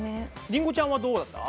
りんごちゃんはどうだった？